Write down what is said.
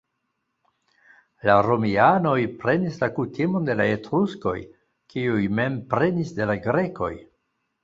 La romianoj prenis la kutimon de la etruskoj, kiuj mem prenis de la grekoj.